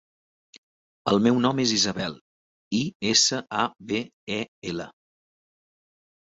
El meu nom és Isabel: i, essa, a, be, e, ela.